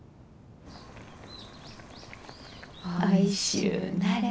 おいしゅうなれ。